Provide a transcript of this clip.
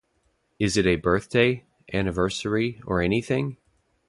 Is it a birthday, anniversary, or anything?